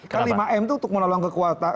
kelima m itu untuk menolong kekuatan